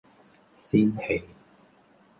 仙氣